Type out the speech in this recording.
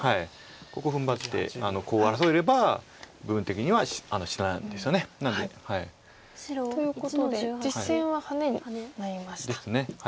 ここ踏ん張ってコウを争えれば部分的には死なないんですよね。ということで実戦はハネになりました。